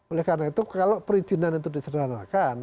oleh karena itu kalau perizinan itu disederhanakan